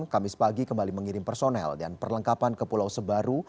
kamis pagi kembali mengirim personel dan perlengkapan ke pulau sebaru